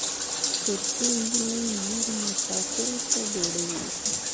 ترکۍ نجلۍ نورو مساپرو ته ډوډۍ وېشله.